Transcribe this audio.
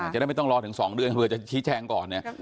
จะได้ไม่ต้องรอถึง๒เดือนเผื่อจะชี้แจงก่อนเนี่ย